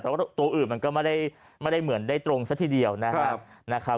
แต่ว่าตัวอื่นมันก็ไม่ได้เหมือนได้ตรงซะทีเดียวนะครับ